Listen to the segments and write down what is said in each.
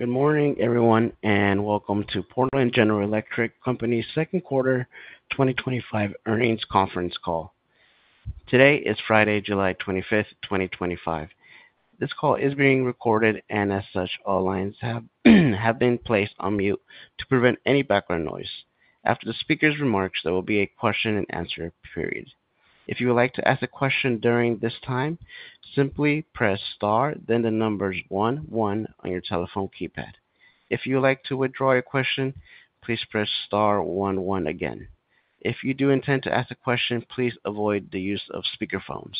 Good morning, everyone, and welcome to Portland General Electric Company's Second Quarter twenty twenty five Earnings Conference Call. Today is Friday, 07/25/2025. This call is being recorded, and as such, all lines have have been placed on mute to prevent any background noise. After the speaker's remarks, there will be a question and answer period. If you would like to ask a question during this time, simply press star then the numbers one one on your telephone keypad. If you would like to withdraw your question, please press star 11 again. If you do intend to ask a question, please avoid the use of speakerphones.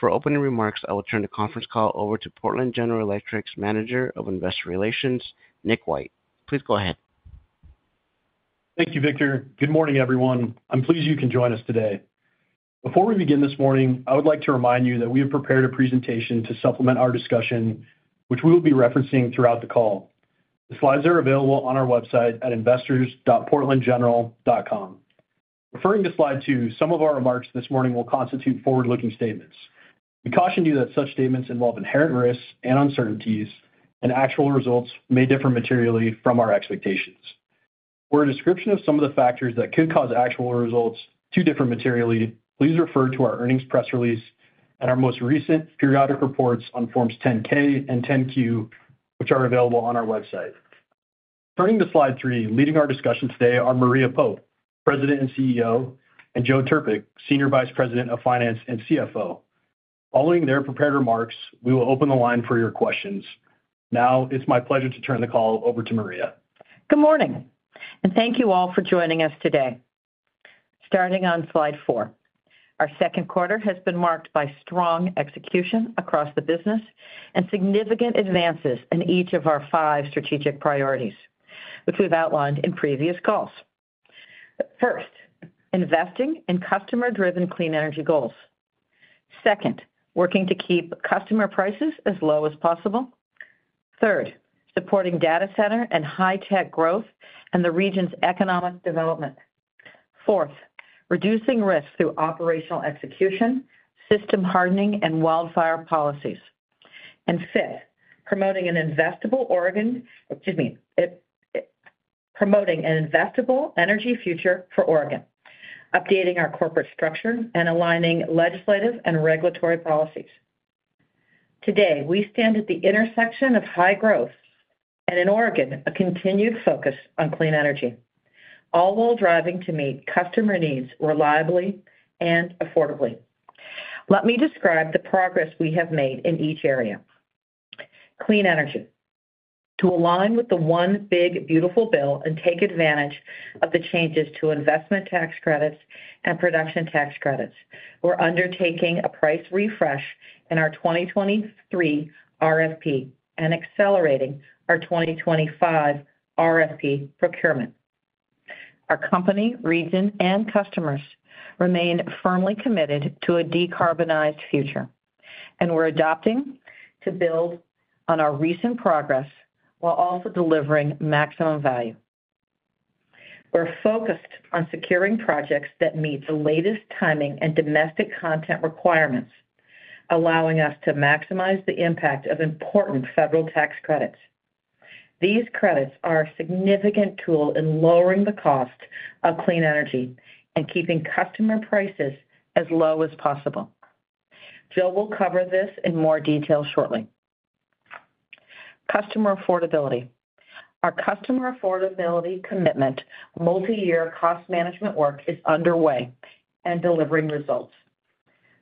For opening remarks, I will turn the conference call over to Portland General Electric's Manager of Investor Relations, Nick White. Please go ahead. Thank you, Victor. Good morning, everyone. I'm pleased you can join us today. Before we begin this morning, I would like to remind you that we have prepared a presentation to supplement our discussion, which we will be referencing throughout the call. The slides are available on our website at investors.portlandgeneral.com. Referring to slide two, some of our remarks this morning will constitute forward looking statements. We caution you that such statements involve inherent risks and uncertainties, and actual results may differ materially from our expectations. For a description of some of the factors that could cause actual results to differ materially, please refer to our earnings press release and our most recent periodic reports on Forms 10 ks and 10 Q, which are available on our website. Turning to slide three, leading our discussion today are Maria Pope, President and CEO and Joe Terpic, Senior Vice President of Finance and CFO. Following their prepared remarks, we will open the line for your questions. Now it's my pleasure to turn the call over to Maria. Good morning, and thank you all for joining us today. Starting on slide four, our second quarter has been marked by strong execution across the business and significant advances in each of our five strategic priorities, which we've outlined in previous calls. First, investing in customer driven clean energy goals. Second, working to keep customer prices as low as possible. Third, supporting data center and high-tech growth and the region's economic development. Fourth, reducing risk through operational execution, system hardening, and wildfire policies. And fifth, promoting investable energy future for Oregon, updating our corporate structure and aligning legislative and regulatory policies. Today, we stand at the intersection of high growth and in Oregon, a continued focus on clean energy, all while driving to meet customer needs reliably and affordably. Let me describe the progress we have made in each area. Clean energy. To align with the one big beautiful bill and take advantage of the changes to investment tax credits and production tax credits. We're undertaking a price refresh in our 2023 RFP and accelerating our 2025 RFP procurement. Our company, region and customers remain firmly committed to a decarbonized future, and we're adopting to build on our recent progress while also delivering maximum value. We're focused on securing projects that meet the latest timing and domestic content requirements, allowing us to maximize the impact of important federal tax credits. These credits are a significant tool in lowering the cost of clean energy and keeping customer prices as low as possible. Joe will cover this in more detail shortly. Customer affordability. Our customer affordability commitment, multi year cost management work is underway and delivering results.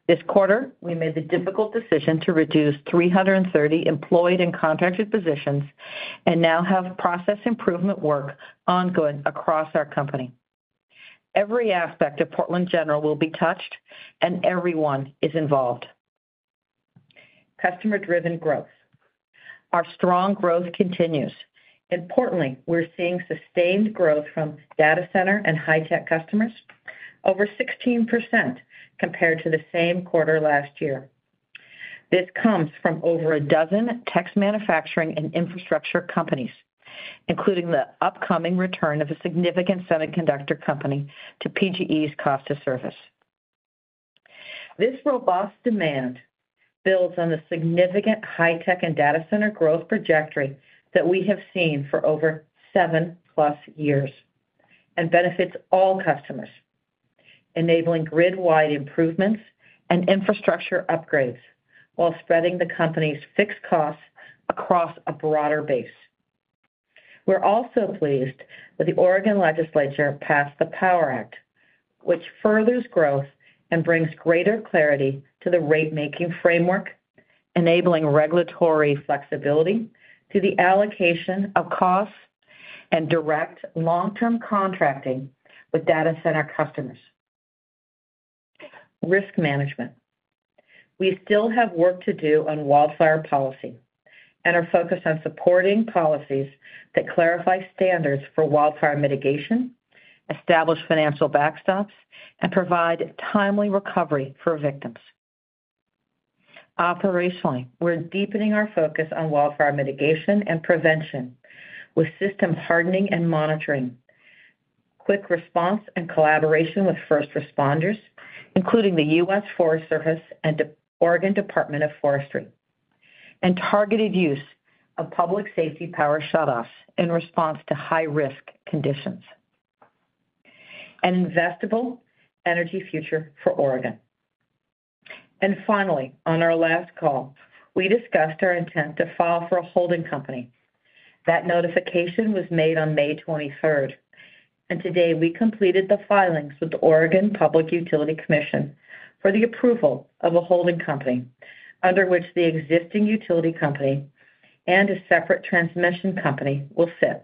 This quarter, we made the difficult decision to reduce three thirty employed and contracted positions and now have process improvement work ongoing across our company. Every aspect of Portland General will be touched and everyone is involved. Customer driven growth. Our strong growth continues. Importantly, we're seeing sustained growth from data center and high-tech customers, over 16% compared to the same quarter last year. This comes from over a dozen text manufacturing and infrastructure companies, including the upcoming return of a significant semiconductor company to PGE's cost of service. This robust demand builds on the significant high-tech and data center growth trajectory that we have seen for over seven plus years and benefits all customers, enabling grid wide improvements and infrastructure upgrades while spreading the company's fixed costs across a broader base. We're also pleased that the Oregon legislature passed the Power Act, which furthers growth and brings greater clarity to the rate making framework, enabling regulatory flexibility to the allocation of costs and direct long term contracting with data center customers. Risk management. We still have work to do on wildfire policy and are focused on supporting policies that clarify standards for wildfire mitigation, establish financial backstops, and provide timely recovery for victims. Operationally, we're deepening our focus on wildfire mitigation and prevention with system hardening and monitoring, quick response and collaboration with first responders, including the US Forest Service and Oregon Department of Forestry, and targeted use of public safety power shutoffs in response to high risk conditions. An investable energy future for Oregon. And finally, on our last call, we discussed our intent to file for a holding company. That notification was made on May 23. And today we completed the filings with the Oregon Public Utility Commission for the approval of a holding company under which the existing utility company and a separate transmission company will sit.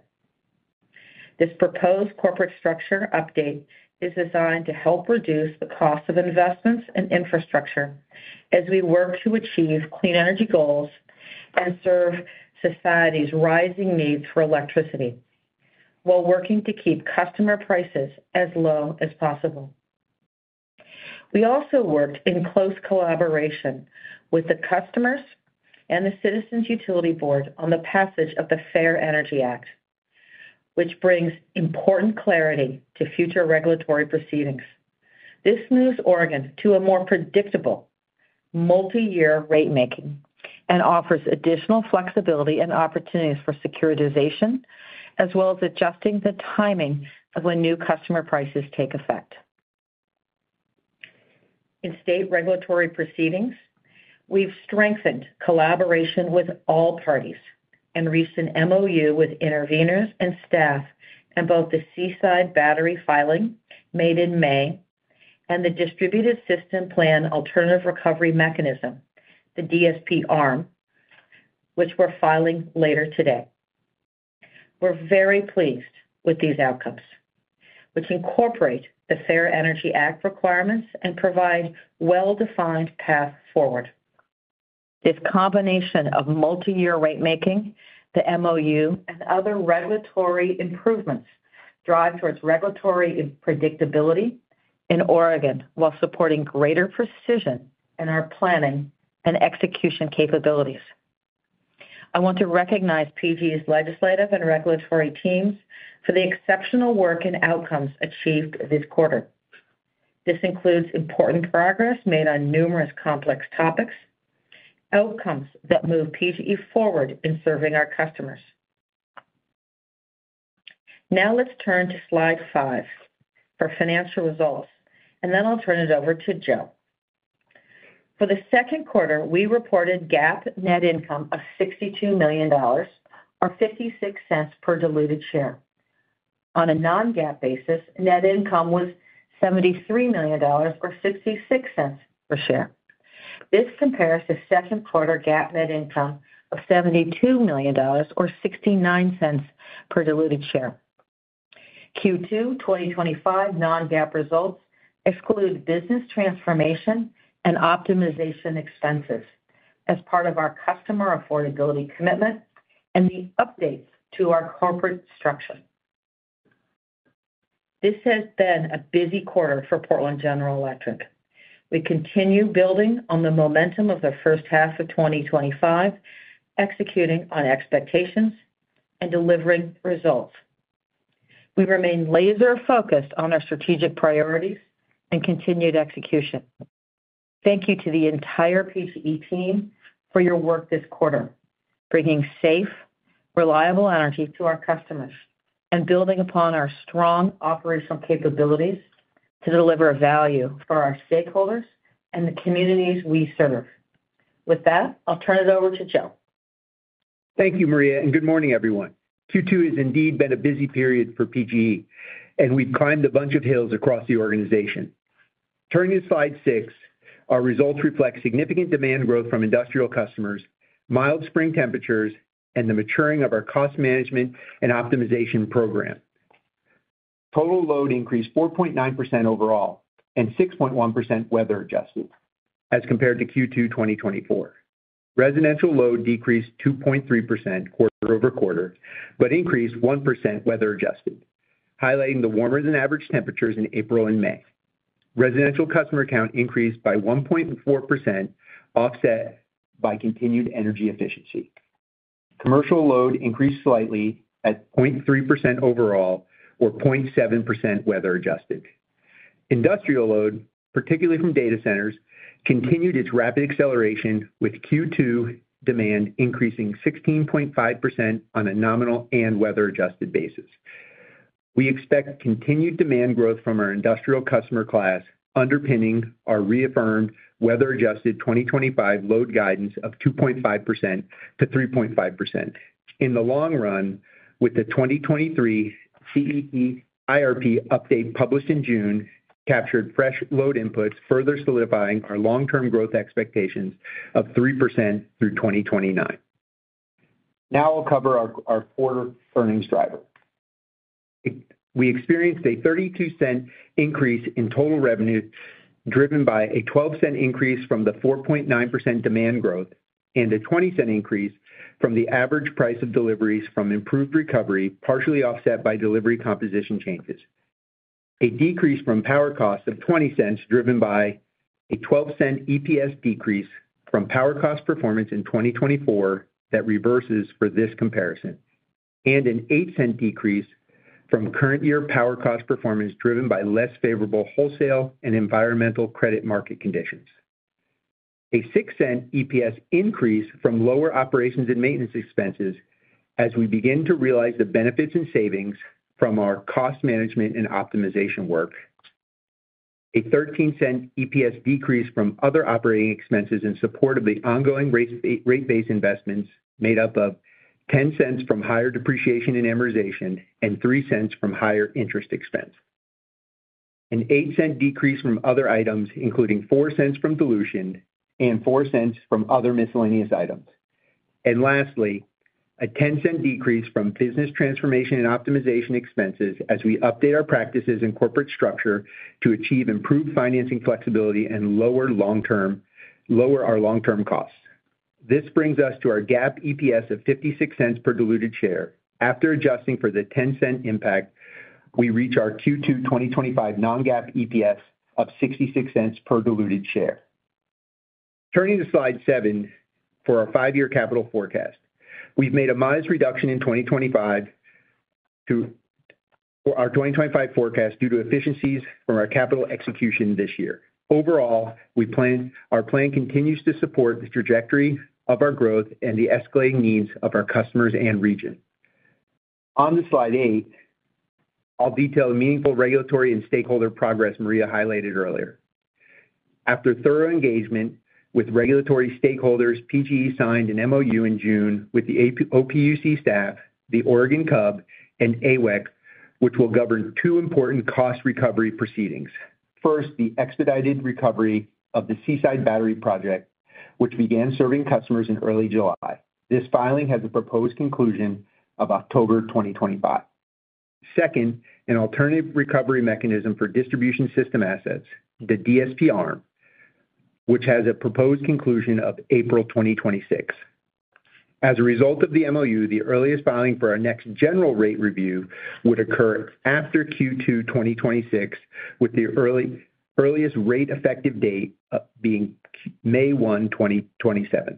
This proposed corporate structure update is designed to help reduce the cost of investments and infrastructure as we work to achieve clean energy goals and serve society's rising needs for electricity, while working to keep customer prices as low as possible. We also worked in close collaboration with the customers and the Citizens Utility Board on the passage of the Fair Energy Act, which brings important clarity to future regulatory proceedings. This moves Oregon to a more predictable, multiyear rate making and offers additional flexibility and opportunities for securitization, as well as adjusting the timing of when new customer prices take effect. In state regulatory proceedings, we've strengthened collaboration with all parties and recent MOU with interveners and staff in both the Seaside Battery filing made in May and the Distributed System Plan Alternative Recovery Mechanism, the DSP arm, which we're filing later today. We're very pleased with these outcomes, which incorporate the Fair Energy Act requirements and provide well defined path forward. This combination of multi year rate making, the MOU, and other regulatory improvements drive towards regulatory predictability in Oregon while supporting greater precision in our planning and execution capabilities. I want to recognize PGE's legislative and regulatory teams for the exceptional work and outcomes achieved this quarter. This includes important progress made on numerous complex topics, outcomes that move PGE forward in serving our customers. Now let's turn to slide five for financial results, and then I'll turn it over to Joe. For the second quarter, we reported GAAP net income of $62,000,000 or $0.56 per diluted share. On a non GAAP basis, net income was $73,000,000 or $0.66 per share. This compares to second quarter GAAP net income of $72,000,000 or $0.69 per diluted share. Q2 twenty twenty five non GAAP results exclude business transformation and optimization expenses as part of our customer affordability commitment and the updates to our corporate structure. This has been a busy quarter for Portland General Electric. We continue building on the momentum of the first half of twenty twenty five, executing on expectations and delivering results. We remain laser focused on our strategic priorities and continued execution. Thank you to the entire PCE team for your work this quarter, bringing safe, reliable energy to our customers and building upon our strong operational capabilities to deliver value for our stakeholders and the communities we serve. With that, I'll turn it over to Joe. Thank you Maria and good morning everyone. Q2 has indeed been a busy period for PG and we've climbed a bunch of hills across the organization. Turning to slide six, our results reflect significant demand growth from industrial customers, mild spring temperatures and the maturing of our cost management and optimization program. Total load increased 4.9% overall and 6.1% weather adjusted as compared to q two twenty twenty four. Residential load decreased 2.3% quarter over quarter but increased 1% weather adjusted highlighting the warmer than average temperatures in April and May. Residential customer count increased by 1.4% offset by continued energy efficiency. Commercial load increased slightly at point 3% overall or point 7% weather adjusted. Industrial load, particularly from data centers, continued its rapid acceleration with Q2 demand increasing 16.5% on a nominal and weather adjusted basis. We expect continued demand growth from our industrial customer class underpinning our reaffirmed weather adjusted 2025 load guidance of 2.5% to 3.5%. In the long run, with the 2023 CEP IRP update published in June captured fresh load inputs further solidifying our long term growth expectations of 3% through 2029. Now, I'll cover our quarter earnings driver. We experienced a 32¢ increase in total revenue driven by a 12¢ increase from the 4.9% demand growth and a 20¢ increase from the average price of deliveries from improved recovery partially offset by delivery composition changes. A decrease from power cost of 20 driven by a 12¢ EPS decrease from power cost performance in 2024 that reverses for this comparison and an $08 decrease from current year power cost performance driven by less favorable wholesale and environmental credit market conditions. A $06 EPS increase from lower operations and maintenance expenses as we begin to realize the benefits and savings from our cost management and optimization work. A $0.13 EPS decrease from other operating expenses in support of the ongoing rate base investments made up of $0.10 from higher depreciation and amortization and $03 from higher interest expense. An $08 decrease from other items including $04 from dilution and 4¢ from other miscellaneous items. And lastly, a 10¢ decrease from business transformation and optimization expenses as we update our practices and corporate structure to achieve improved financing flexibility and lower long term, lower our long term cost. This brings us to our GAAP EPS of 56¢ per diluted share. After adjusting for the 10¢ impact, we reach our Q2 twenty twenty five non GAAP EPS of 66¢ per diluted share. Turning to slide seven for our five year capital forecast. We've made a modest reduction in 2025 our 2025 forecast due to efficiencies from our capital execution this year. Overall, we plan our plan continues to support the trajectory of our growth and the escalating needs of our customers and region. On the slide eight, I'll detail meaningful regulatory and stakeholder progress Maria highlighted earlier. After thorough engagement with regulatory stakeholders, PGE signed an MOU in June with the AP OPUC staff, the Oregon Cub, and AWAC, which will govern two important cost recovery proceedings. First, the expedited recovery of the seaside battery project, which began serving customers in early July. This filing has a proposed conclusion of October 2025. Second, an alternative recovery mechanism for distribution system assets, the DSP arm, which has a proposed conclusion of April 2026. As a result of the MOU, the earliest filing for our next general rate review would occur after q two twenty twenty six with the early earliest rate effective date being 05/01/2027.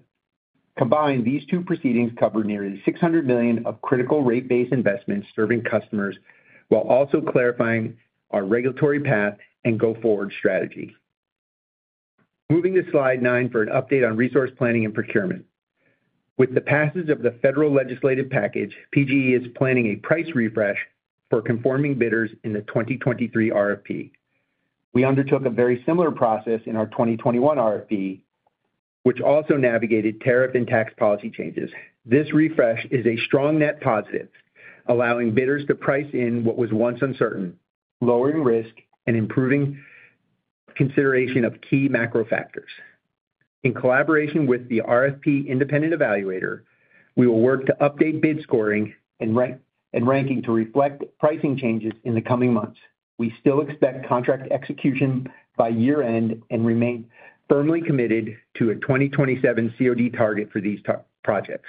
Combined, these two proceedings cover nearly 600,000,000 of critical rate based investments serving customers while also clarifying our regulatory path and go forward strategy. Moving to slide nine for an update on resource planning and procurement. With the passage of the federal legislative package, PGE is planning a price refresh for conforming bidders in the 2023 RFP. We undertook a very similar process in our 2021 RFP which also navigated tariff and tax policy changes. This refresh is a strong net positive allowing bidders to price in what was once uncertain, lowering risk and improving consideration of key macro factors. In collaboration with the RFP independent evaluator, we will work to update bid scoring and ranking to reflect pricing changes in the coming months. We still expect contract execution by year end and remain firmly committed to a 2027 COD target for these projects.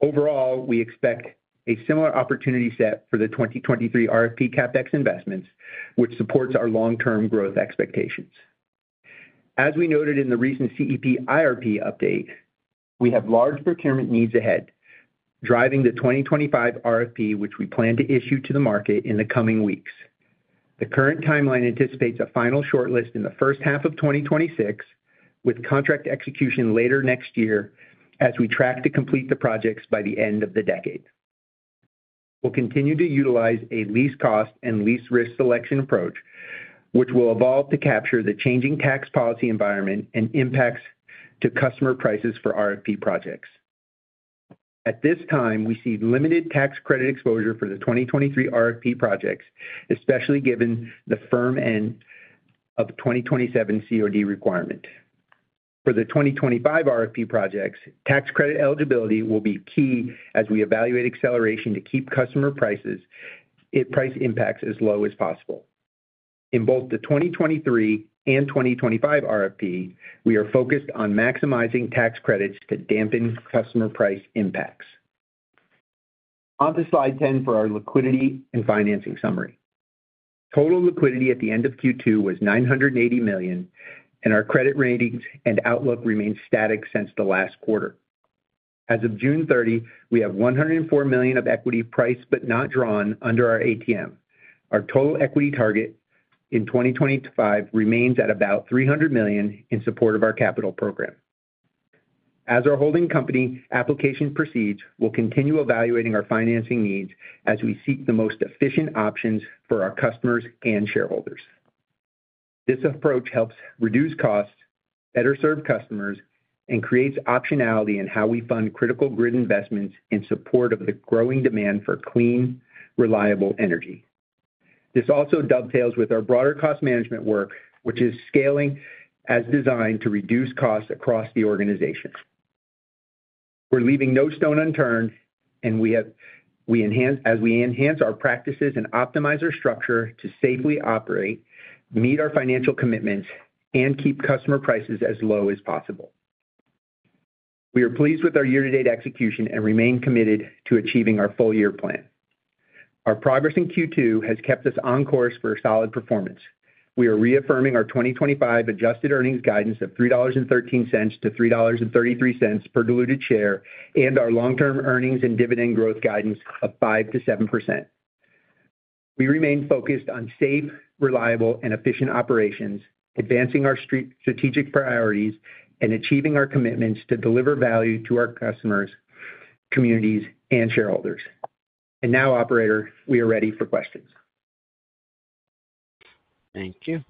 Overall, we expect a similar opportunity set for the 2023 RFP CapEx investments which supports our long term growth expectations. As we noted in the recent CEPIRP update, we have large procurement needs ahead driving the 2025 RFP which we plan to issue to the market in the coming weeks. The current timeline anticipates a final shortlist in the 2026 with contract execution later next year as we track to complete the projects by the end of the decade. We'll continue to utilize a lease cost and lease risk selection approach which will evolve to capture the changing tax policy environment and impacts to customer prices for RFP projects. At this time, we see limited tax credit exposure for the twenty twenty three RFP projects especially given the firm 2027 COD requirement. For the twenty twenty five RFP projects, tax credit eligibility will be key as we evaluate acceleration to keep customer prices, price impacts as low as possible. In both the 2023 and 2025 RFP, we are focused on maximizing tax credits to dampen customer price impacts. On to slide 10 for our liquidity and financing summary. Total liquidity at the end of Q2 was $980,000,000 and our credit ratings and outlook remains static since the last quarter. As of June 30, we have 104,000,000 of equity priced but not drawn under our ATM. Our total equity target in 2025 remains at about 300,000,000 in support of our capital program. As our holding company application proceeds, we'll continue evaluating our financing needs as we seek the most efficient options for our customers and shareholders. This approach helps reduce costs, better serve customers, and creates optionality in how we fund critical grid investments in support of the growing demand for clean, reliable energy. This also dovetails with our broader cost management work, which is scaling as designed to reduce costs across the organization. We're leaving no stone unturned and we have, we enhance, as we enhance our practices and optimize our structure to safely operate, meet our financial commitments, and keep customer prices as low as possible. We are pleased with our year to date execution and remain committed to achieving our full year plan. Our progress in Q2 has kept us on course for a solid performance. We are reaffirming our 2025 adjusted earnings guidance of $3.13 to $3.33 per diluted share and our long term earnings and dividend growth guidance of 5% to 7%. We remain focused on safe, reliable and efficient operations advancing our strategic priorities and achieving our commitments to deliver value to our customers, communities and shareholders. And now operator, we are ready for questions. Thank you.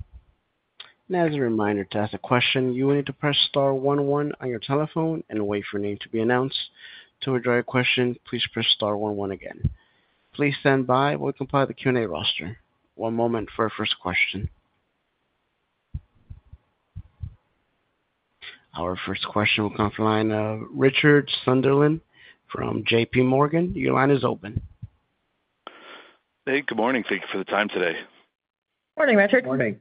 Our first question will come from the line of Richard Sunderland from JPMorgan. Your line is open. Hey. Good morning. Thank you for the time today. Good morning, Patrick. Good morning.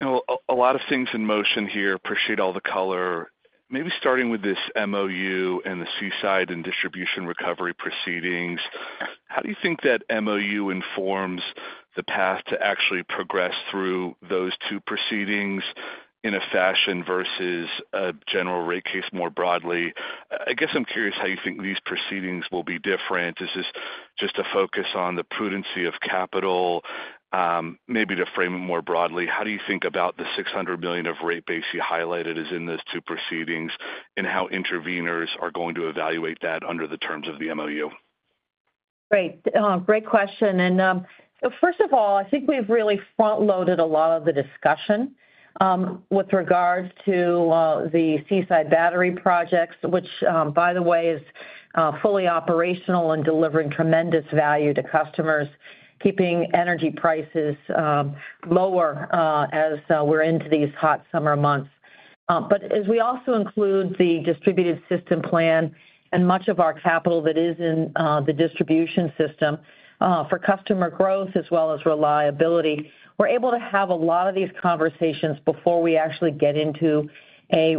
A lot of things in motion here. Appreciate all the color. Maybe starting with this MOU and the seaside and distribution recovery proceedings. How do you think that MOU informs the path to actually progress through those two proceedings in a fashion versus a general rate case more broadly? I guess I'm curious how you think these proceedings will be different. Is this just a focus on the prudency of capital? Maybe to frame it more broadly, how do you think about the 600,000,000 of rate base you highlighted is in those two proceedings? And how interveners are going to evaluate that under the terms of the MOU? Great question. And first of all, I think we've really front loaded a lot of the discussion with regards to the seaside battery projects, which by the way is fully operational and delivering tremendous value to customers, keeping energy prices lower as we're into these hot summer months. But as we also include the distributed system plan and much of our capital that is in the distribution system for customer growth as well as reliability, we're able to have a lot of these conversations before we actually get into a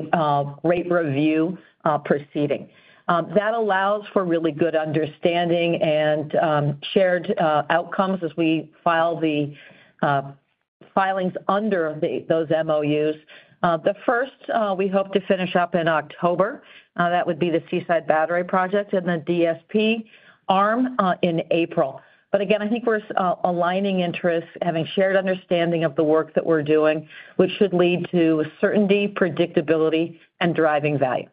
rate review proceeding. That allows for really good understanding and shared outcomes as we file the filings under those MOUs. The first, we hope to finish up in October. That would be the seaside battery project and the DSP arm in April. But again, think we're aligning interest, having shared understanding of the work that we're doing, which should lead to certainty, predictability, and driving value.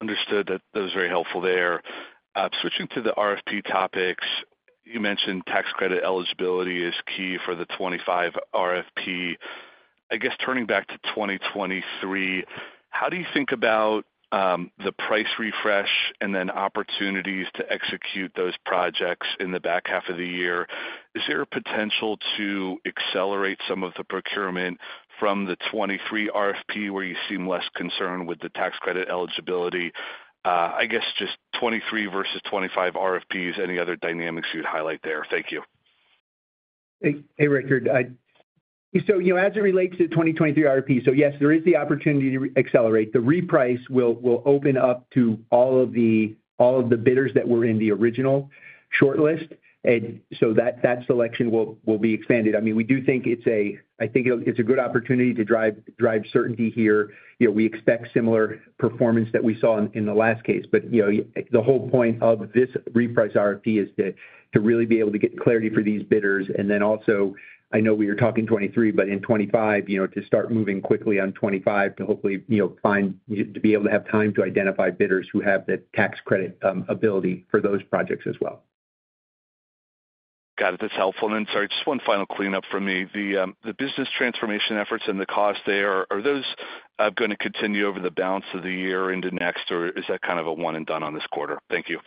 Understood. That was very helpful there. Switching to the RFP topics, you mentioned tax credit eligibility is key for the '25 RFP. I guess turning back to 2023, how do you think about the price refresh and then opportunities to execute those projects in the back half of the year? Is there a potential to accelerate some of the procurement from the '23 RFP where you seem less concerned with the tax credit eligibility? I guess just 23 versus 25 RFPs, any other dynamics you'd highlight there? Thank you. Hey, Richard. So, as it relates to 2023 RP, so yes, there is the opportunity to accelerate. The reprice will open up to all of the bidders that were in the original shortlist. So, that selection will be expanded. I mean, we do think it's good opportunity to drive certainty here. We expect similar performance that we saw the last case. But the whole point of this reprice RFP is to really be able to get clarity for these bidders and then also, know we were talking '23 but in '25 to start moving quickly on '25 to hopefully find to be able to have time to identify bidders who have that tax credit ability for those projects as well. Got it. That's helpful. Then, sorry, just one final clean up for me. The business transformation efforts and the cost there, are those going to continue over the balance of the year into next? Or is that kind of a one and done on this quarter? Thank you.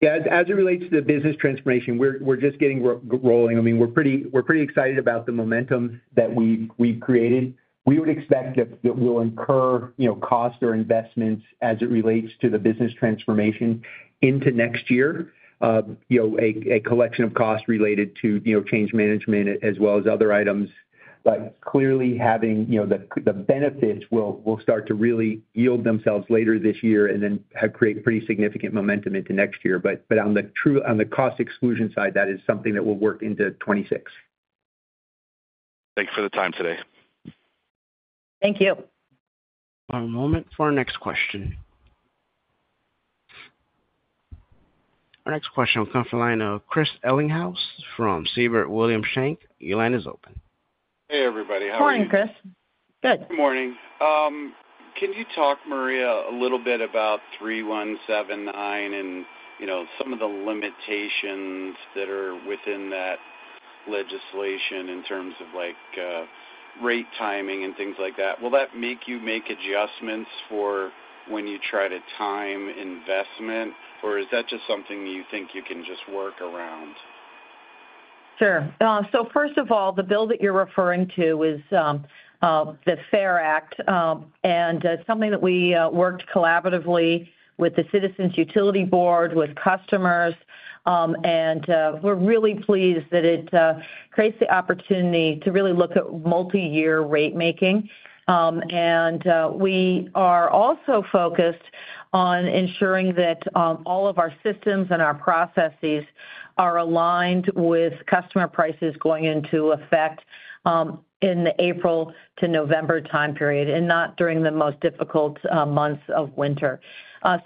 Yeah. As it relates to the business transformation, we're we're just getting rolling. I mean, we're pretty we're pretty excited about the momentum that we we created. We would expect that that we'll incur, you know, cost or investments as it relates to the business transformation into next year. You know, a a collection of cost related to, you know, change management as well as other items. But clearly having, you know, the the benefits will will start to really yield themselves later this year and then have created pretty significant momentum into next year. On the cost exclusion side, that is something that will work into '26. Thanks for the time today. Thank you. One moment for our next question. Our next question will come from the line of Chris Ellinghaus from Siebert Williams Bank. Your line is open. Hey everybody, how are Good morning Chris. Good. Good morning. Can you talk Maria a little bit about 3179 and some of the limitations that are within that legislation in terms of like rate timing and things like that. Will that make you make adjustments for when you try to time investment? Or is that just something you think you can just work around? Sure. So first of all, the bill that you're referring to is the Fair Act. And it's something that we worked collaboratively with the Citizens Utility Board, with customers. And we're really pleased that it creates the opportunity to really look at multi year rate making. And we are also focused on ensuring that all of our systems and our processes are aligned with customer prices going into effect in the April to November time period and not during the most difficult months of winter.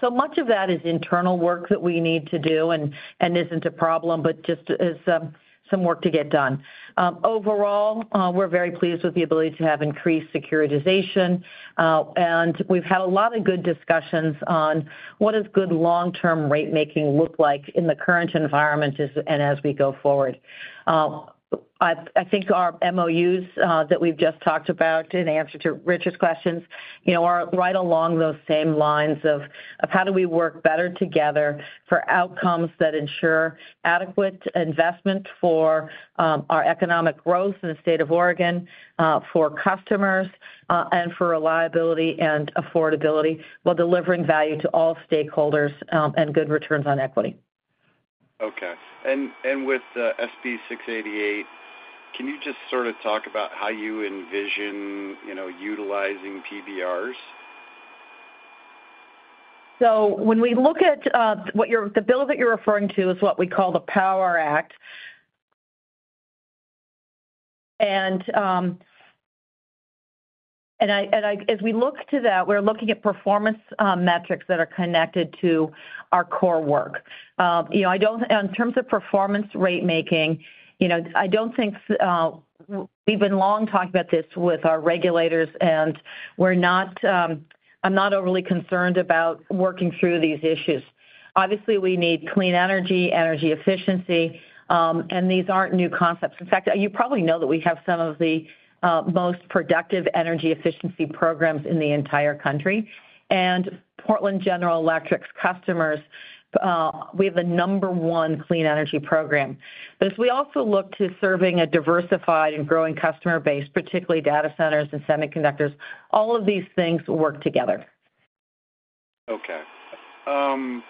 So much of that is internal work that we need to do and isn't a problem, but just is some work to get done. Overall, we're very pleased with the ability to have increased securitization. And we've had a lot of good discussions on what does good long term rate making look like in the current environment and as we go forward. I think our MOUs that we've just talked about in answer to Richard's questions are right along those same lines of how do we work better together for outcomes that ensure adequate investment for our economic growth in the state of Oregon, for customers, and for reliability and affordability while delivering value to all stakeholders and good returns on equity. Okay. And with SB six eighty eight, can you just sort of talk about how you envision utilizing PBRs? So when we look at the bill that you're referring to is what we call the Power Act. As we look to that, we're looking at performance metrics that are connected to our core work. In terms of performance rate making, I don't think we've been long talking about this with our regulators. I'm not overly concerned about working through these issues. Obviously, need clean energy, energy efficiency, and these aren't new concepts. In fact, you probably know that we have some of the most productive energy efficiency programs in the entire country. And Portland General Electric's customers, we have the number one clean energy program. But as we also look to serving a diversified and growing customer base, particularly data centers and semiconductors, all of these things work together. Okay. In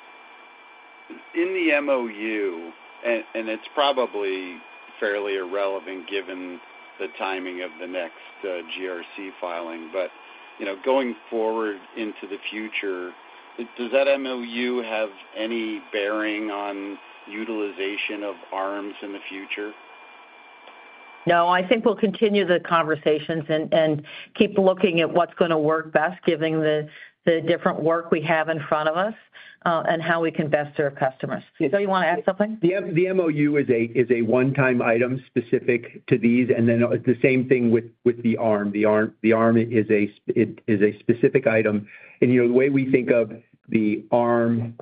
the MOU, it's probably fairly irrelevant given the timing of the next GRC filing, but going forward into the future, does that MOU have any bearing on utilization of arms in the future? No, I think we'll continue the conversations and keep looking at what's gonna work best given the different work we have in front of us and how we can best serve customers. So you wanna add something? The MOU is a one time item specific to these and then the same thing with the arm. The arm is a specific item. And the way we think of the ARM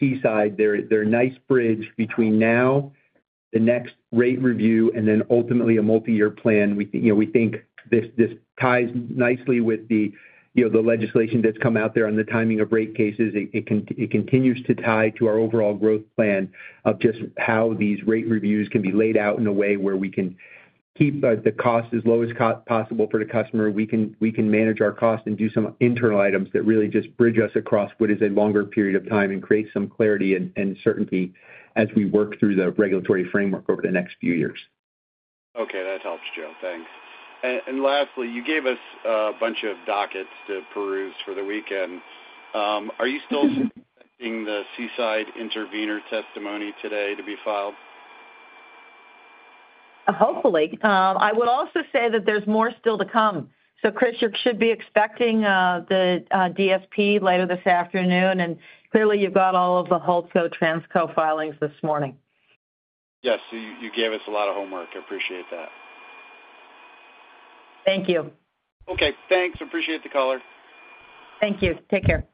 seaside, they're a nice bridge between now, the next rate review and then ultimately a multi year plan. Think this ties nicely with the legislation that's come out there on the timing of rate cases. It continues to tie to our overall growth plan of just how these rate reviews can be laid out in a way where we can keep the cost as low as possible for the customer. We can manage our cost and do some internal items that really just bridge us across what is a longer period of time and create some clarity and certainty as we work through the regulatory framework over the next few years. Okay, that helps Joe, thanks. And lastly, you gave us a bunch of dockets to peruse for the weekend. Are you still seeing the seaside intervener testimony today to be filed? Hopefully. I would also say that there's more still to come. So Chris, you should be expecting DSP later this afternoon. And clearly you've got all of the HALTCO, Transco filings this morning. Yes, you gave us a lot of homework. I appreciate that. Thank you. Okay, thanks. Appreciate the color. Thank you. Take care.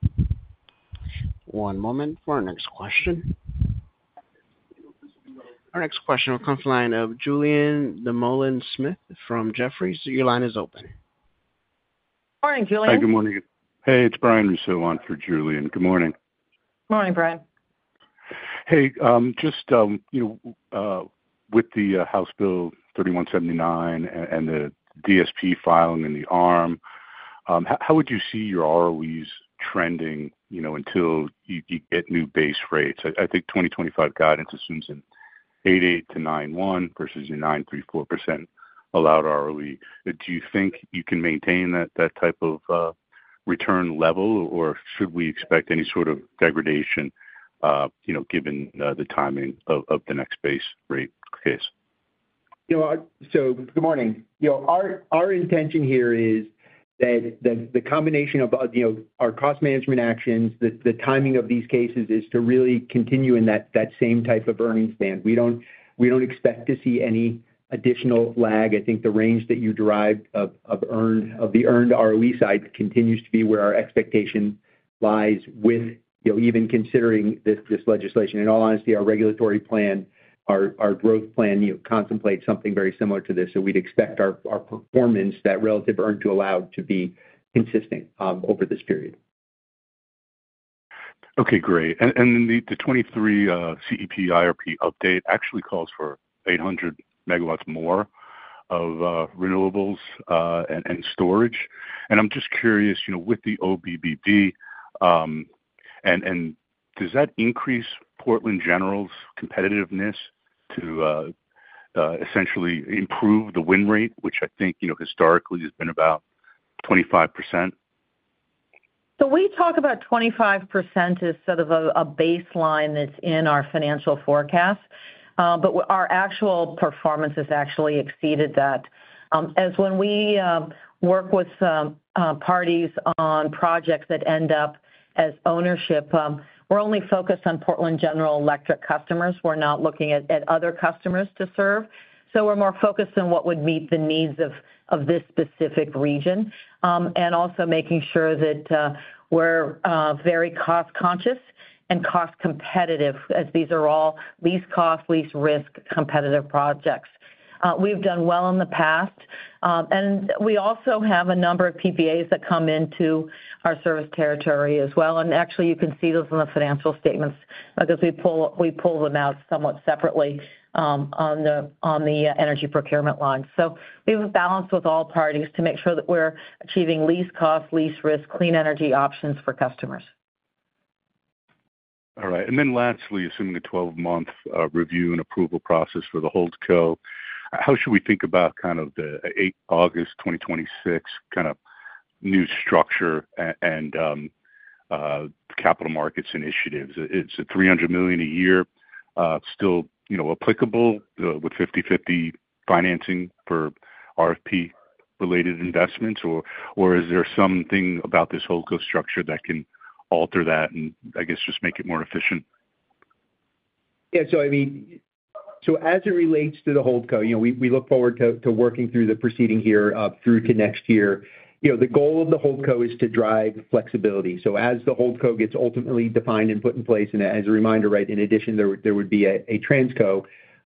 One moment for our next question. Our next question will come from the line of Julien Dumoulin Smith from Jefferies. Your line is open. Good morning, Julien. Hi. Good morning. Hey. It's Brian Russo on for Julien. Good morning. Good morning, Brian. Hey. Just with the House Bill 3,179 and the DSP filing in the ARM, how would you see your ROEs trending until you get new base rates? I think 2025 guidance assumes an 8.8% to 9.1% versus your 9.34 allowed ROE. Do you think you can maintain that type of return level or should we expect any sort of degradation given the timing of the next base rate case? So, good morning. Our intention here is that the combination of our cost management actions, the timing of these cases is to really continue in that same type of earnings band. We don't expect to see any additional lag. I think the range that you drive of earned, of the earned ROE side continues to be where our expectation lies with even considering this legislation. In all honesty, our regulatory plan, our growth plan contemplates something very similar to this. So, we'd expect performance that relative earn to allow to be insisting over this period. Okay, great. And the '23 CEPIRP update actually calls for 800 megawatts more of renewables and storage. And I'm just curious, with the OBB, and does that increase Portland General's competitiveness to essentially improve the win rate, which I think historically has been about 25%? So we talk about 25% as sort of a baseline that's in our financial forecast. But our actual performance has actually exceeded that. As when we work with parties on projects that end up as ownership, we're only focused on Portland General Electric customers. We're not looking at other customers to serve. So we're more focused on what would meet the needs of this specific region. And also making sure that we're very cost conscious and cost competitive as these are all least cost, least risk competitive projects. We've done well in the past. And we also have a number of PPAs that come into our service territory as well. And actually you can see those in the financial statements because we pull them out somewhat separately on the energy procurement line. So we have a balance with all parties to make sure that we're achieving least cost, least risk, clean energy options for customers. All right. And then lastly, assuming the twelve month review and approval process for the HoldCo, how should we think about kind of the 08/2026 kind of new structure and capital markets initiatives? Is the $300,000,000 a year still applicable with fifty-fifty financing for RFP related investments? Or is there something about this HoldCo structure that can alter that and I guess just make it more efficient? Yes, so I mean, so as it relates to the HoldCo, we look forward to working through the proceeding here through to next year. The goal of the HoldCo is to drive flexibility. So, as the holdco gets ultimately defined and put in place and as a reminder, in addition there would be a transco.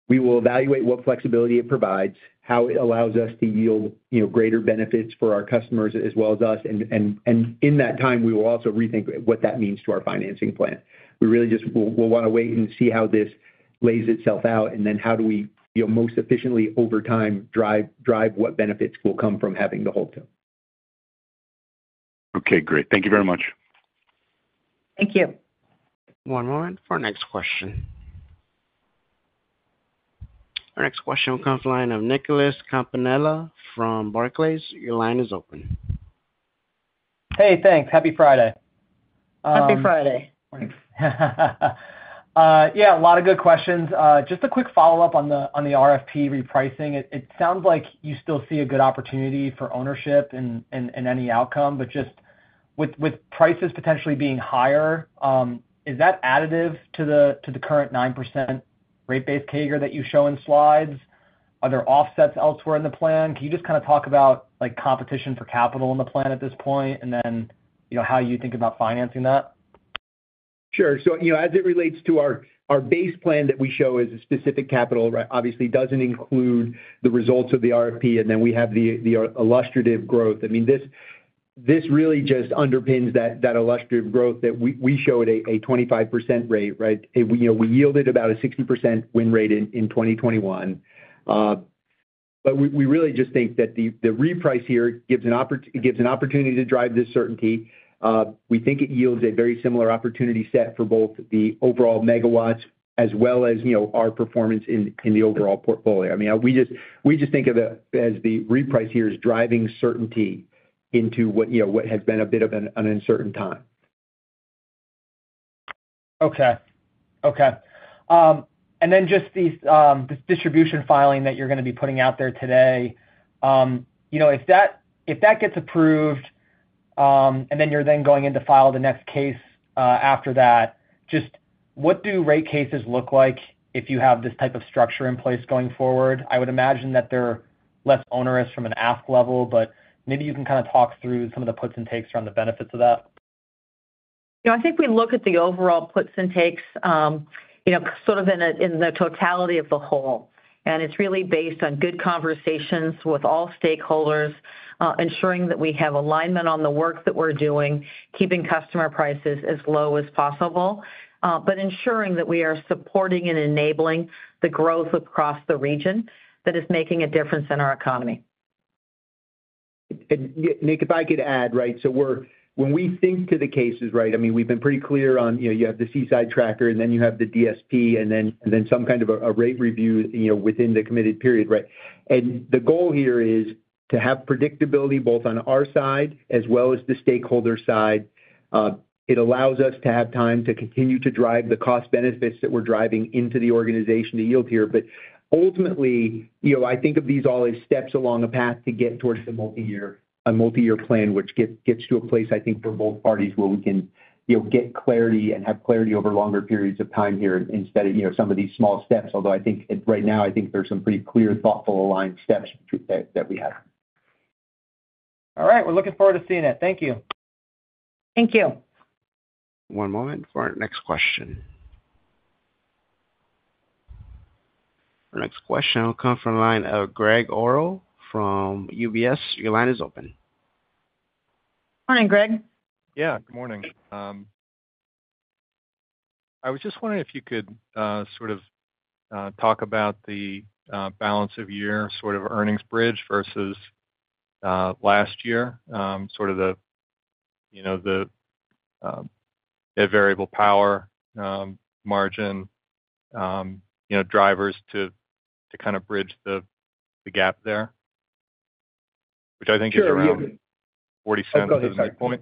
We will evaluate what flexibility it provides, how it allows us to yield greater benefits for our customers as well as us. And in that time, we will also rethink what that means to our financing plan. We really just We'll wanna wait and see how this lays itself out and then how do we most efficiently over time drive drive what benefits will come from having the hold. Okay, great. Thank you very much. Thank you. One moment for next question. Our next question comes line of Nicholas Campanella from Barclays. Your line is open. Hey, thanks. Happy Friday. Happy Friday. Yeah. A lot of good questions. Just a quick follow-up on the RFP repricing. It sounds like you still see a good opportunity for ownership any outcome. But just with prices potentially being higher, is that additive to the current 9% rate base CAGR that you show in slides? Are there offsets elsewhere in the plan? Can you just kind of talk about competition for capital in the plan at this point? And how you think about financing that? Sure. So as it relates to our base plan that we show as a specific capital, obviously doesn't include the results of the RFP. And then we have the illustrative growth. I mean, this really just underpins that illustrative growth that we showed a 25% rate, right? We yielded about a 60% win rate in 2021. But we really just think that the reprice here gives opportunity drive this certainty. We think it yields a very similar opportunity set for both the overall megawatts as well as our performance in the overall portfolio. I mean, we just think of it as the reprice here is driving certainty into what has been a bit of an uncertain time. Okay. Okay. And then just this distribution filing that you're gonna be putting out there today. If that gets approved and then you're then going into file the next case after that, just what do rate cases look like if you have this type of structure in place going forward? I would imagine that they're less onerous from an ask level, kind of talk through some of the puts and takes around the benefits of that. I think we look at the overall puts and takes sort of in the totality of the whole. And it's really based on good conversations with all stakeholders, ensuring that we have alignment on the work that we're doing, keeping customer prices as low as possible. But ensuring that we are supporting and enabling the growth across the region that is making a difference in our economy. Nick, if I could add, right? So we're When we think to the cases, right? I mean, we've been pretty clear on, you have the seaside tracker and then you have the DSP and then some kind of a rate review within the committed period, right? And the goal here is to have predictability both on our side as well as the stakeholder side. It allows us to have time to continue to drive the cost benefits that we're driving into the organization to yield here. But ultimately, I think of these all as steps along a path to get towards the multi year plan which gets to a place I think for both parties where we can get clarity and have clarity over longer periods of time here instead of some of these small steps. Although I think right now, I think there's some pretty clear thoughtful aligned steps that we have. All right. We're looking forward to seeing it. Thank you. Thank you. One moment for our next question. Our next question will come from the line of Greg Oro from UBS. I was just wondering if you could sort of talk about the balance of year sort of earnings bridge versus last year, sort of the variable power margin drivers to kind of bridge the gap there, which I think is around 47.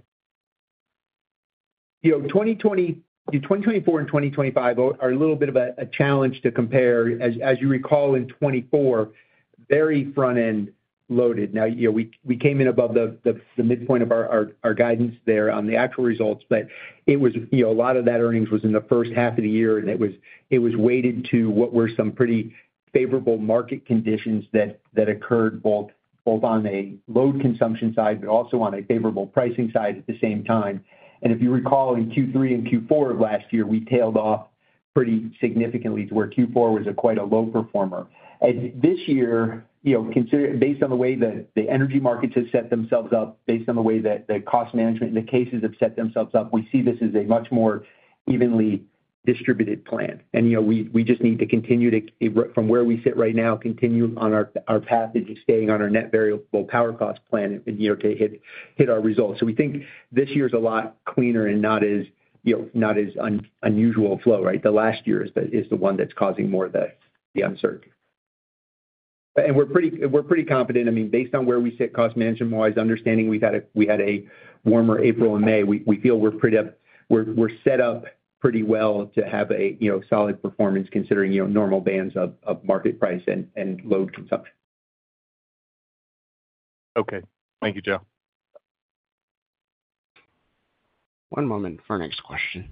You know, twenty twenty twenty four and 2025 are a little bit of a challenge to compare. You recall in '24, very front end loaded. Now, we came in above the midpoint of our guidance there on the actual results. But it was, you know, a lot of that earnings was in the first half of the year and it was weighted to what were some pretty favorable market conditions that occurred both on a load consumption side but also on a favorable pricing side at the same time. And if you recall in Q3 and Q4 of last year, we tailed off pretty significantly to where Q4 was quite a low performer. And this year, based on the way that the energy market has set themselves up, based on the way that the cost management and the cases have set themselves up, we see this as a much more evenly distributed plan. And we just need to continue to from where we sit right now continue on our path to staying on our net variable power cost plan and our results. So we think this year's a lot cleaner and not as unusual flow, right? The last year is the one that's causing more of the uncertainty. And we're pretty confident. I mean, on where we sit cost management wise understanding we had a warmer April and May. We we feel we're pretty up. We're we're set up pretty well to have a solid performance considering your normal bands of of market price and and load consumption. Okay. Thank you, Joe. One moment for our next question.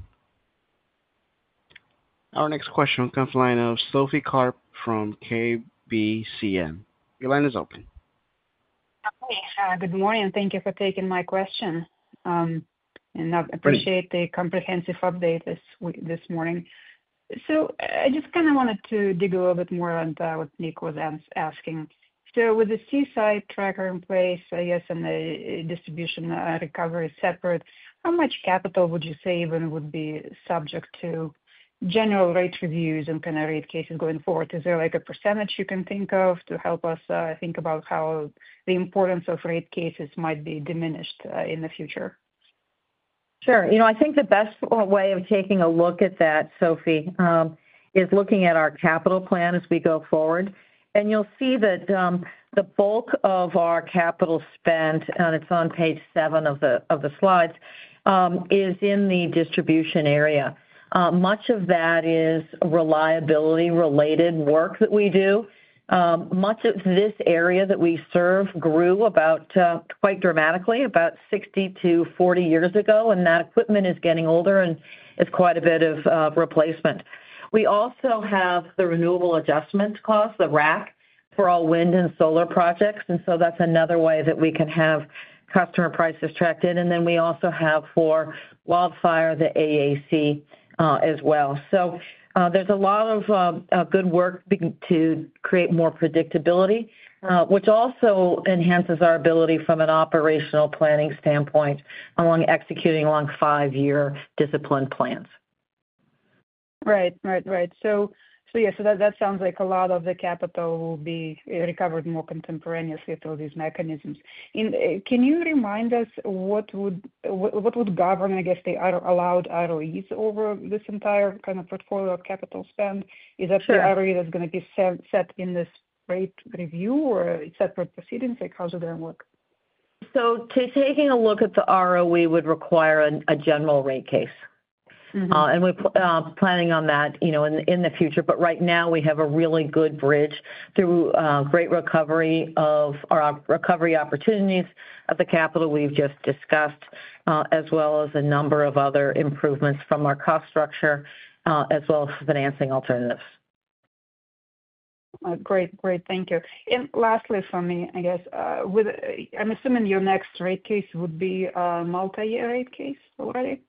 Our next question comes from line of Sophie Karp from KBCM. Your line is open. Okay. Good morning. Thank you for taking my question, and I appreciate the comprehensive update this this morning. So I just kinda wanted to dig a little bit more on what Nick was asking. So with the seaside tracker in place, guess, and the distribution recovery separate, how much capital would you save and would be subject to general rate reviews and kind of rate cases going forward? Is there like a percentage you can think of to help us think about how the importance of rate cases might be diminished in the future? Sure. I think the best way of taking a look at that, Sophie, is looking at our capital plan as we go forward. And you'll see that the bulk of our capital spend, and it's on page seven of the slides, is in the distribution area. Much of that is reliability related work that we do. Much of this area that we serve grew about quite dramatically about sixty to forty years ago, and that equipment is getting older and it's quite a bit of replacement. We also have the renewable adjustment clause, the rack, for all wind and solar projects. And so that's another way that we can have customer prices tracked in. Then we also have for wildfire the AAC as well. So there's a lot of good work to create more predictability, which also enhances our ability from an operational planning standpoint along executing along five year discipline plans. Right, right, right. So yes, that sounds like a lot of the capital will be recovered more contemporaneous through these mechanisms. Can you remind us what would govern, I guess, the auto allowed ROEs over this entire kind of portfolio of capital spend? That the ROE that's going be set in this rate review or separate proceedings? Like how's it gonna work? So taking a look at the ROE would require a general rate case. And we're planning on that in the future. But right now we have a really good bridge through great recovery opportunities of the capital we've just discussed, as well as a number of other improvements from our cost structure, as well as financing alternatives. Great, great. Thank you. And lastly for me, I guess, I'm assuming your next rate case would be a multi year rate case already?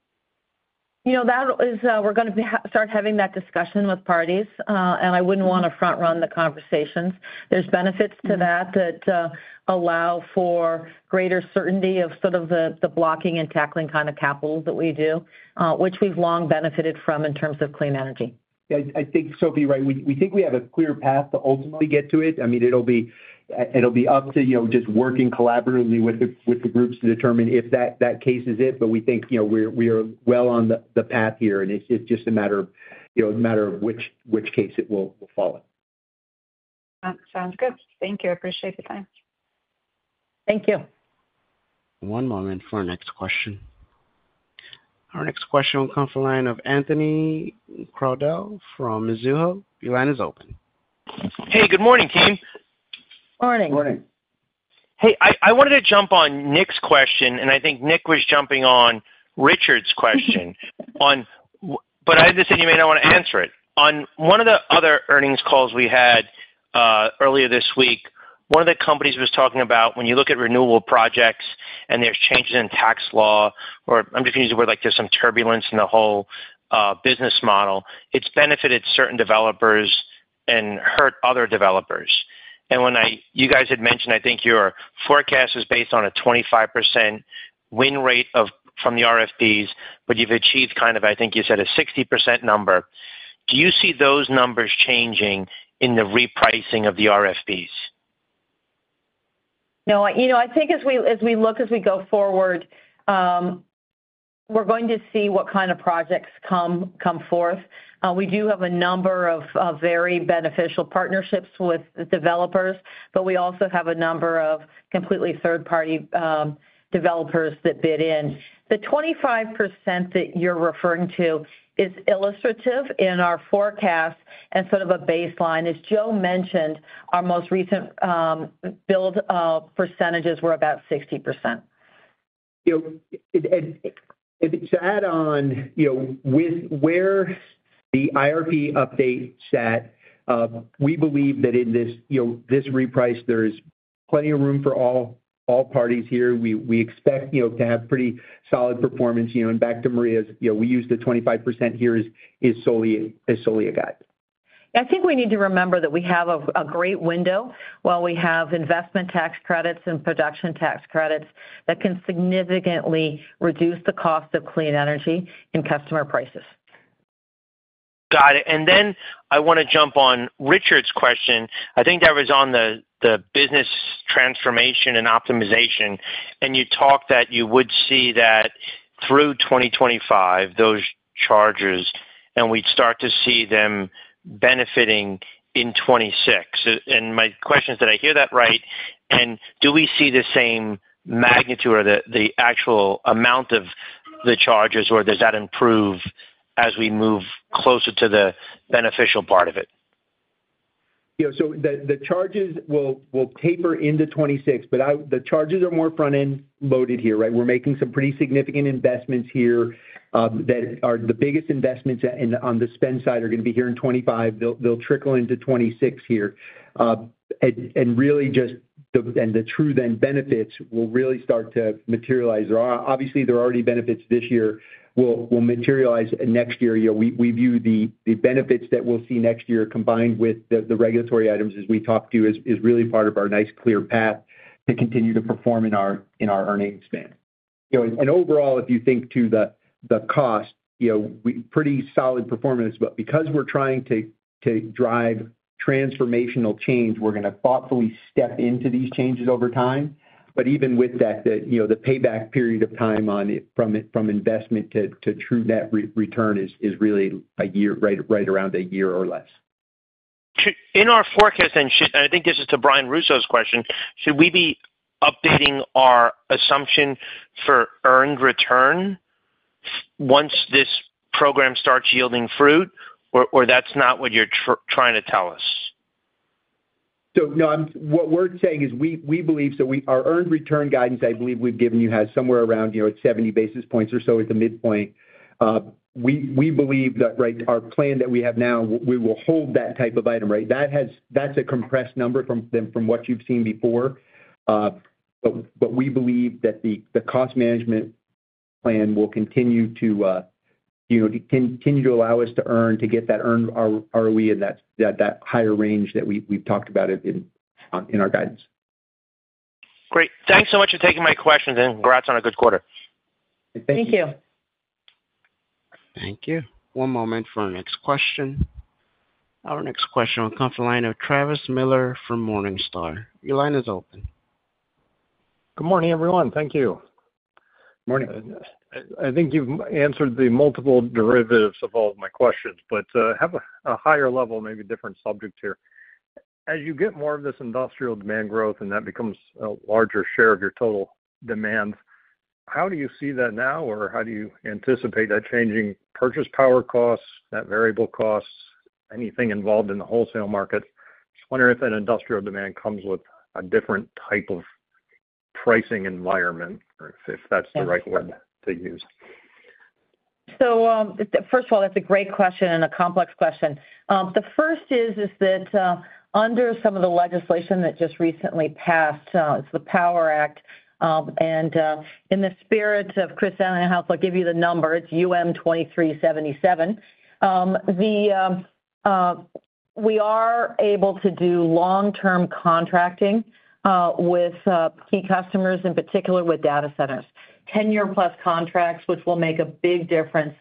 We're going to start having that discussion with parties. And I wouldn't want to front run the conversations. There's benefits to that that allow for greater certainty of sort of the blocking and tackling kind of capital that we do, which we've long benefited from in terms of clean energy. I think Sophie, We think we have a clear path to ultimately get to it. I mean it'll be up to just working collaboratively with the groups to determine if that case is it. But we think we are well on path here. And it's just a matter of which case it will follow. That sounds good. Thank you. Appreciate the time. Thank you. One moment for our next question. Our next question will come from the line of Anthony Crowdell from Mizuho. Your line is open. Hey, good morning team. Good morning. Good morning. Hey, I wanted to jump on Nick's question, and I think Nick was jumping on Richard's question on but I just said you may not want to answer it. On one of the other earnings calls we had, earlier this week, one of the companies was talking about when you look at renewable projects and there's changes in tax law or I'm just using the word like there's some turbulence in the whole, business model, it's benefited certain developers and hurt other developers. And when I you guys had mentioned, I think your forecast is based on a 25% win rate from the RFPs, but you've achieved kind of, I think you said a 60% number. Do you see those numbers changing in the repricing of the RFPs? No. I think as we look as we go forward, we're going to see what kind of projects come forth. We do have a number of very beneficial partnerships with developers. But we also have a number of completely third party developers that bid in. The 25% that you're referring to is illustrative in our forecast and sort of a baseline. As Joe mentioned, our most recent build percentages were about 60%. To add on, with where the IRP update sat, we believe that in this reprice, there is plenty of room for all parties here. We expect to have pretty solid performance. Back to Maria's, we use the 25% here is solely a guide. I think we need to remember that we have a great window while we have investment tax credits and production tax credits that can significantly reduce the cost of clean energy and customer prices. Got it. And then I want to jump on Richard's question. I think that was on the business transformation and optimization. And you talked that you would see that through 2025, those charges, and we'd start to see them benefiting in 2026. And my question is, did I hear that right? And do we see the same magnitude or the actual amount of the charges? Or does that improve as we move closer to the beneficial part of it? Yeah. So the the charges will will taper into '26. But I the charges are more front end loaded here. Right? We're making some pretty significant investments here that are the biggest investments in on the spend side are gonna be here in '25. They'll they'll trickle into '26 here. And and really just the and the true then benefits will really start to materialize. Obviously, are already benefits this year We'll materialize next year. We view the benefits that we'll see next year combined with the regulatory items as we talk to you is really part of our nice clear path to continue to perform in our earnings span. And overall, if you think to the cost, pretty solid performance. Because we're trying to drive transformational change, we're gonna thoughtfully step into these changes over time. But even with that, the payback period of time on it from investment to true net return is really a year, right around a year or less. In our forecast and I think this is to Brian Russo's question, should we be updating our assumption for earned return once this program starts yielding fruit? Or that's not what you're trying to tell us? So, no. We're saying is we believe that we Our earned return guidance, believe we've given you has somewhere around 70 basis points or so at the midpoint. We believe that right, our plan that we have now, we will hold that type of item. That has, that's a compressed number from what you've seen before. But we believe that the cost management plan will continue to continue to allow us to earn to get that earned ROE in that higher range that we've talked about in our guidance. Great. Thanks so much for taking my questions and congrats on a good quarter. Thank you. Thank you. One moment for our next question. Our next question will come from the line of Travis Miller from Morningstar. Your line is open. Good morning, everyone. Thank you. Good morning. I think you've answered the multiple derivatives of all of my questions, but have a higher level, maybe different subject here. As you get more of this industrial demand growth and that becomes a larger share of your total demand, how do you see that now? Or how do you anticipate that changing purchase power costs, net variable costs, anything involved in the wholesale market? Just wondering if that industrial demand comes with a different type of pricing environment, or if that's the right one to use. So first of all, that's a great question and a complex question. The first is that under some of the legislation that just recently passed, it's the Power Act. And in the spirit of Chris Allen and I'll give you the number. It's UM2377. We are able to do long term contracting with key customers, in particular with data centers. Ten year plus contracts, which will make a big difference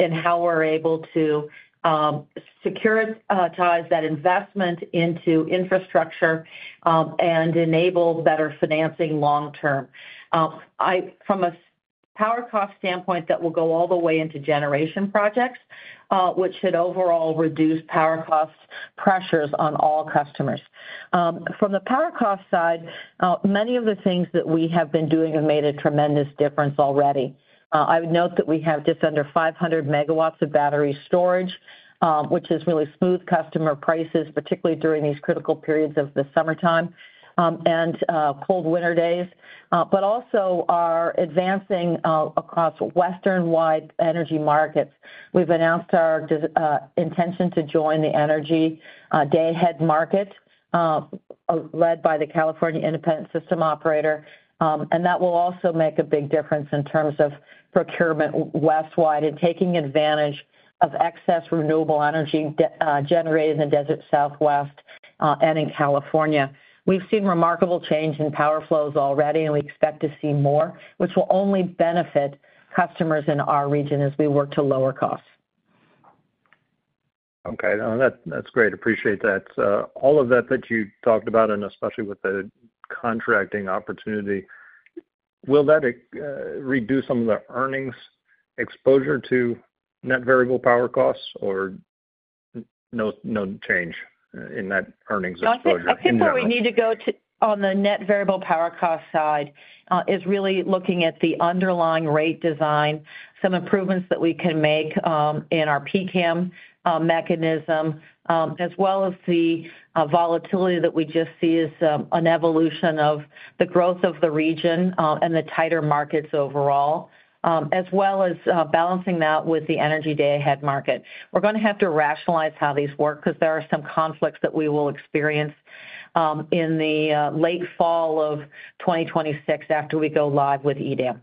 in how we're able to securitize that investment into infrastructure and enable better financing long term. From a power cost standpoint, that will go all the way into generation projects, which should overall reduce power cost pressures on all customers. From the power cost side, many of the things that we have been doing have made a tremendous difference already. I would note that we have just under 500 megawatts of battery storage, which is really smooth customer prices, particularly during these critical periods of the summertime and cold winter days. But also are advancing across Western wide energy markets. We've announced our intention to join the energy day head market led by the California Independent System Operator. And that will also make a big difference in terms of procurement west wide and taking advantage of excess renewable energy generated in the Desert Southwest, and in California. We've seen remarkable change in power flows already and we expect to see more, which will only benefit customers in our region as we work to lower costs. Okay. That's great. Appreciate that. All of that that you talked about and especially with the contracting opportunity, will that reduce some of the earnings exposure to net variable power costs or no change in that earnings exposure? I think where we need to go to on the net variable power cost side is really looking at the underlying rate design, some improvements that we can make in our PCAM mechanism, as well as the volatility that we just see as an evolution of the growth of the region and the tighter markets overall, as well as balancing that with the energy day ahead market. We're going to have to rationalize how these work because there are some conflicts that we will experience in the 2026 after we go live with EDAM.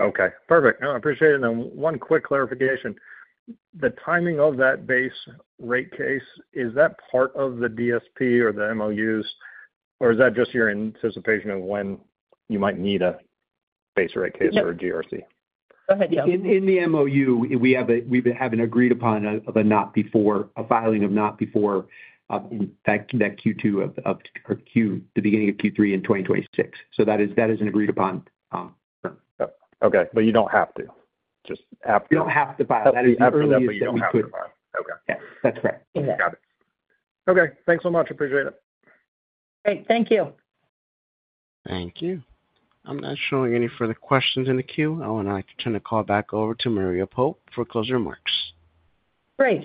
Okay. Perfect. I appreciate it. Then one quick clarification. The timing of that base rate case, is that part of the DSP or the MOUs or is that just your anticipation of when you might need a base rate case or ahead, Dale. In the MOU, we haven't agreed upon a not before, a filing of not before that Q2 or the beginning of Q3 in 2026. So that is an agreed upon. Okay, but you don't have to. Just after. You don't have to file. That is early That's but you don't have correct. Okay. Thanks so much. Appreciate it. Great. Thank you. Thank you. I'm not showing any further questions in the queue. I would now like to turn the call back over to Maria Pope for closing remarks. Great.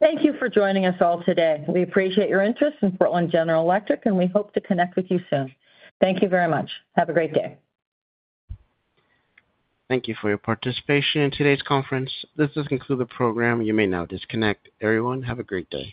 Thank you for joining us all today. We appreciate your interest in Portland General Electric, and we hope to connect with you soon. Thank you very much. Have a great day. Thank you for your participation in today's conference. This does conclude the program. You may now disconnect. Everyone, have a great day.